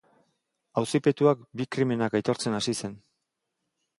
Auzipetuak bi krimenak aitortzen hasi zen.